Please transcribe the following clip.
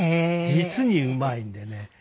実にうまいんでね。